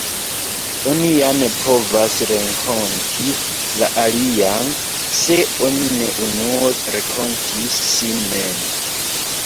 Oni ja ne povas renkonti la alian, se oni ne unue renkontis sin mem.